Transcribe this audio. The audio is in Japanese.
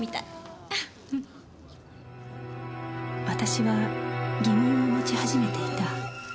私は疑問を持ち始めていた